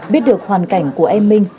biết được hoàn cảnh của em minh